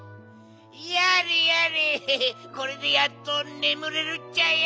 やれやれこれでやっとねむれるっちゃよ！